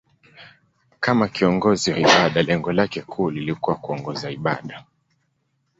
Kama kiongozi wa ibada, lengo lake kuu lilikuwa kuongoza ibada.